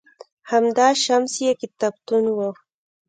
هُدا شمس یې کتابتون و